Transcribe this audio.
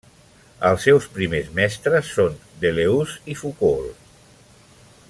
Els seus primers mestres són Deleuze i Foucault.